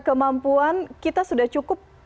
kemampuan kita sudah cukup